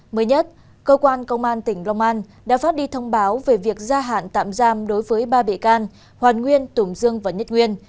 mới nhất cơ quan công an tỉnh long an đã phát đi thông báo về việc gia hạn tạm giam đối với ba bị can hoàn nguyên tùng dương và nhất nguyên